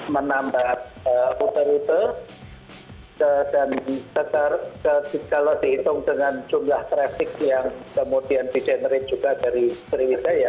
menambah rute rute dan kalau dihitung dengan jumlah traffic yang kemudian di generate juga dari sriwijaya